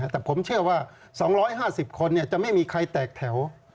แต่ผมเชื่อว่า๒๕๐คนจะไม่มีใครแตกแถว